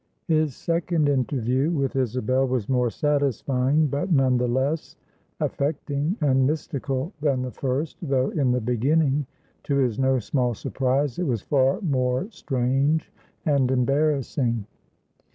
His second interview with Isabel was more satisfying, but none the less affecting and mystical than the first, though in the beginning, to his no small surprise, it was far more strange and embarrassing.